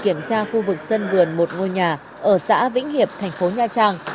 kiểm tra khu vực sân vườn một ngôi nhà ở xã vĩnh hiệp thành phố nha trang